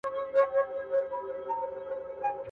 یوه بل ته یې د زړه وکړې خبري !.